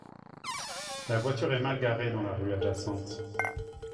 La voiture est mal garée dans la rue adjacente